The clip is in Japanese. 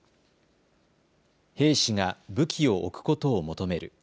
兵士が武器を置くことを求める。